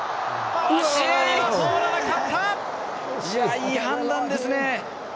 いい判断ですね。